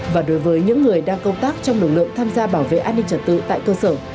và đối với những người đang công tác trong lực lượng tham gia bảo vệ an ninh trật tự tại cơ sở